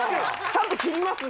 ちゃんと切ります